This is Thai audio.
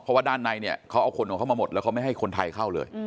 เพราะว่าด้านในเนี่ยเขาเอาคนของเขามาหมดแล้วเขาไม่ให้คนไทยเข้าเลย